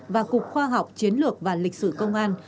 và cục khoa học chiến lược và lịch sử công an